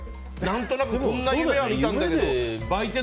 何となくこんな夢は見たんだけどって。